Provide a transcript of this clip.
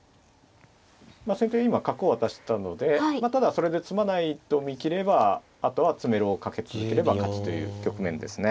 先手今角を渡したのでただそれで詰まないと見切ればあとは詰めろをかけ続ければ勝ちという局面ですね。